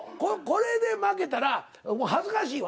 これで負けたらもう恥ずかしいわ。